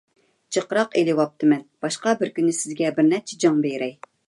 جىقراق ئېلىۋالماپتىمەن، باشقا بىر كۈنى سىزگە بىر نەچچە جىڭ بېرەي.